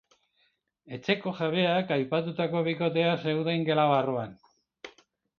Etxeko jabeak, aipatutako bikotea, zeuden gela barruan.